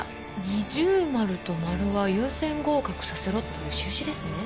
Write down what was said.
二重丸と丸は優先合格させろっていう印ですね？